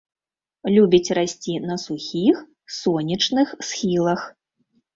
Любіць расці на сухіх, сонечных схілах.